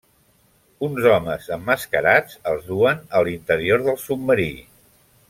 Uns homes emmascarats els duen a l'interior del submarí.